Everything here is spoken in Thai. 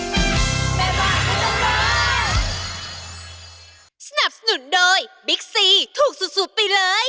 แม่บาทจังงานสวกีค่า